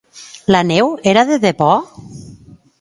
La neu era de debò?